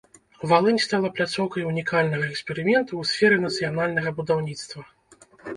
Валынь стала пляцоўкай унікальнага эксперыменту ў сферы нацыянальнага будаўніцтва.